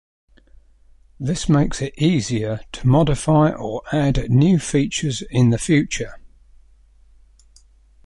This makes it easier to modify or add new features in the future.